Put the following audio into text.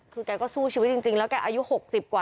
คือแกก็สู้ชีวิตจริงแล้วแกอายุ๖๐กว่า